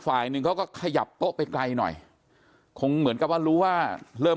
ฝ่ายหนึ่งเขาก็ขยับโต๊ะไปไกลหน่อยคงเหมือนกับว่ารู้ว่าเริ่ม